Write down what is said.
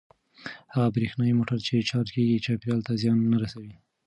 هغه برېښنايي موټر چې چارج کیږي چاپیریال ته زیان نه رسوي.